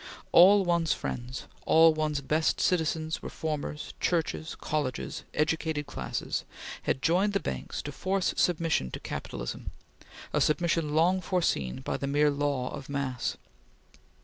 All one's friends, all one's best citizens, reformers, churches, colleges, educated classes, had joined the banks to force submission to capitalism; a submission long foreseen by the mere law of mass.